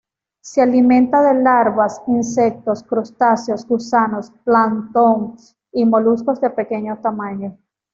Se alimenta de larvas, insectos, crustáceos, gusanos, plancton y moluscos de pequeño tamaño.